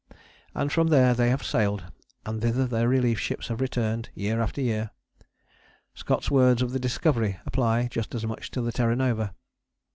And from there they have sailed, and thither their relief ships have returned year after year. Scott's words of the Discovery apply just as much to the Terra Nova.